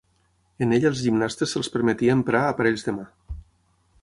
En ella als gimnastes se'ls permetia emprar aparells de mà.